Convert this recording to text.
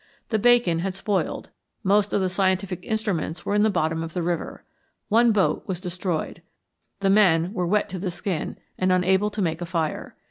The bacon had spoiled. Most of the scientific instruments were in the bottom of the river. One boat was destroyed. The men were wet to the skin and unable to make a fire.